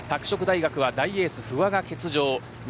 拓殖大学はエース不破が欠場。